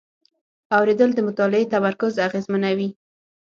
اورېدل د مطالعې تمرکز اغېزمنوي.